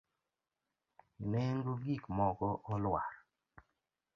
Nengo gik moko olwar